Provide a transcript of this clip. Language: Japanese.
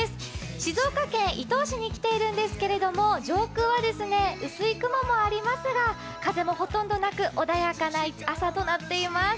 静岡県伊東市に来ているんですけど、上空は薄い雲もありますが風もほとんどなく穏やかな朝となっています。